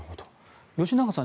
吉永さん